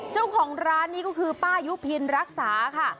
เจ้าของร้านนี้ก็คือป้ายุพินรักษาค่ะ